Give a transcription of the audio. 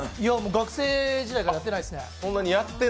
学生時代からやってないですね。